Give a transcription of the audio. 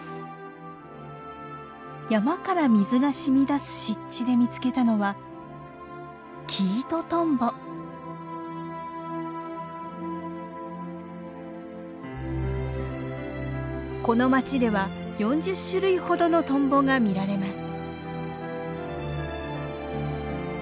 山から水が染み出す湿地で見つけたのはこの町では４０種類ほどのトンボが見られます。